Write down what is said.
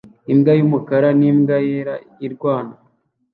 Imbwa y'umukara n'imbwa yera irwana